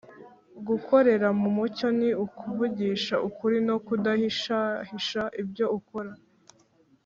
Gukorera mu mucyo ni ukuvugisha ukuri no kudahishahisha ibyo ukora.